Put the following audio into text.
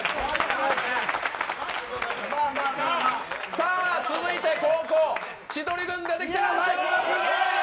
さあ続いて後攻千鳥軍、出てきてください。